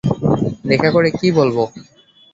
দেখা করে কী বলবো?